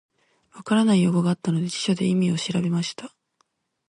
分からない用語があったので、辞書で意味を調べました。